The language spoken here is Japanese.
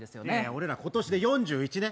俺ら、今年で４１年。